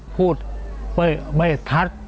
พูดไม่ทัศน์